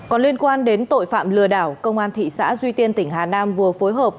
còn liên quan đến tội phạm lừa đảo công an thị xã duy tiên tỉnh hà nam vừa phối hợp